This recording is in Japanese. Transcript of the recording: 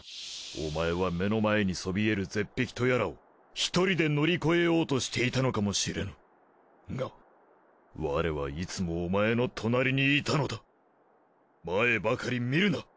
お前は目の前にそびえるゼッペキとやらを１人で乗り越えようとしていたのかもしれぬがワレはいつもお前の隣にいたのだ前ばかり見るな！